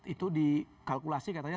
itu dikalkulasi katanya